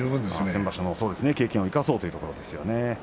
先場所の経験を生かそうということですね。